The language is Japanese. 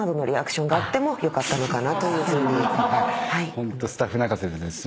ホントスタッフ泣かせですいません。